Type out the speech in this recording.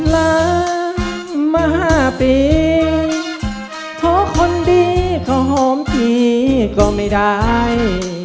และมาห้าปีเทาะคนดีก็หอมพีกก็ไม่ได้